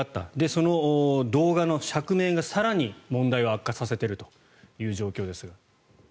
その動画の釈明が更に問題を悪化させているという状況ですが。